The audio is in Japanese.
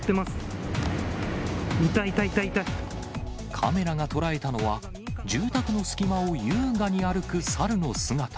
カメラが捉えたのは、住宅の隙間を優雅に歩く猿の姿。